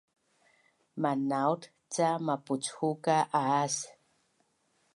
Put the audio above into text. Manaut ca mapuchu ka aas